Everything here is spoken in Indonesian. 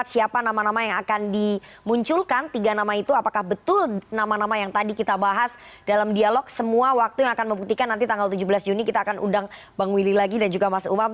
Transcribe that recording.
siapa nama nama yang akan dimunculkan tiga nama itu apakah betul nama nama yang tadi kita bahas dalam dialog semua waktu yang akan membuktikan nanti tanggal tujuh belas juni kita akan undang bang willy lagi dan juga mas umam